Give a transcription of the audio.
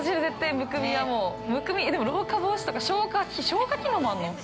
むくみ、でも、老化防止とか消化機能もあるの？